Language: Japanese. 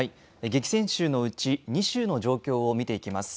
激戦州のうち２州の状況を見ていきます。